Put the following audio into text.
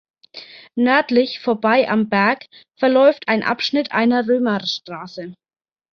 Nördlich vorbei am Berg verläuft ein Abschnitt einer Römerstraße.